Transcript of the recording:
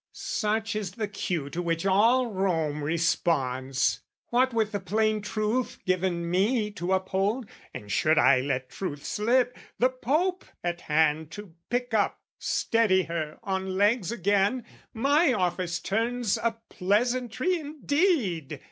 " Such is the cue to which all Rome responds. "What with the plain truth given me to uphold, "And, should I let truth slip, the Pope at hand "To pick up, steady her on legs again, "My office turns a pleasantry indeed!